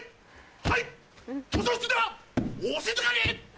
図書室ではお静かに！